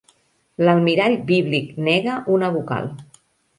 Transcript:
L'almirall bíblic nega una vocal.